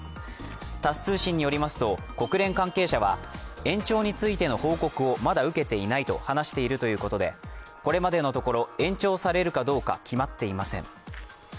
タス通信によりますと、国連関係者は、延長についての報告をまだ受けていないと話しているということで、これまでのところ延長されるかどうか決まっていません。